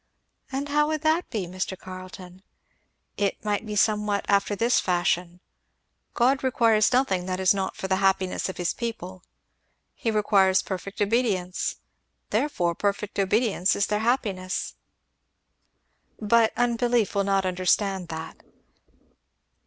"And how would that be, Mr. Carleton?" "It might be somewhat after this fashion "'God requires nothing that is not for the happiness of his people "'He requires perfect obedience "'Therefore perfect obedience is for their happiness' "But unbelief will not understand that.